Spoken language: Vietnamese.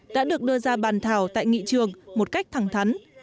đã được đưa ra bàn thảo tại nghị trường một cách thẳng thắn